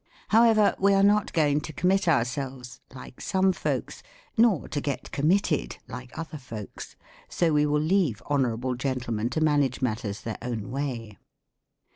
However, we are not going to commit ourselves, like some folks, nor to get committed, like other folks ; so we will leave " Honorable Gentlemen" to manage matters their own way.